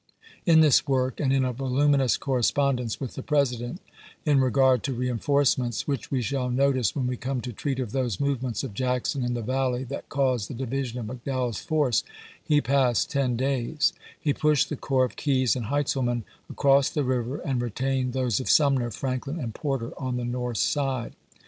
In this work, and in a voluminous correspondence with the President in regard to reenforcements, which we shall notice when we come to treat of those movements of Jackson in the Valley that caused the division of McDowell's force, he passed ten days ; he pushed the corps of Keyes and Heintzel man across the river, and retained those of Sumner, Franklin, and Porter on the north side.